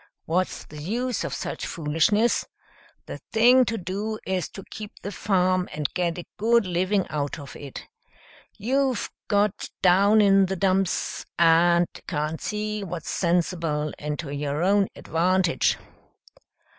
What's the use of such foolishness? The thing to do is to keep the farm and get a good living out of it. You've got down in the dumps and can't see what's sensible and to your own advantage."